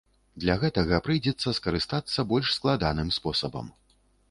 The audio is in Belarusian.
Для гэтага прыйдзецца скарыстацца больш складаным спосабам.